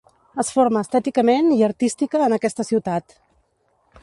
Es forma estèticament i artística en aquesta ciutat.